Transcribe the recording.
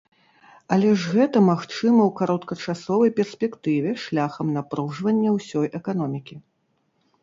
Але ж гэта магчыма ў кароткачасовай перспектыве шляхам напружвання ўсёй эканомікі.